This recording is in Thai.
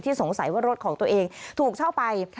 สงสัยว่ารถของตัวเองถูกเช่าไป